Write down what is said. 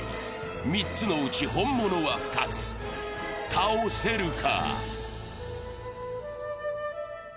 ３つのうち本物は２つ、倒せるか？